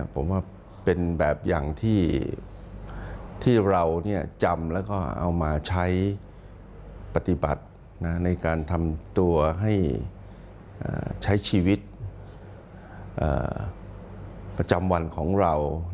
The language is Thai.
ผมว่าเป็นแบบอย่างที่เราจำแล้วก็เอามาใช้ปฏิบัติในการทำตัวให้ใช้ชีวิตประจำวันของเรา